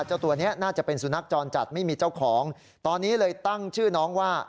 เจ้าตัวนี้น่าจะเป็นสุนัขจรจัดไม่มีเจ้าของตอนนี้เลยตั้งชื่อน้องว่า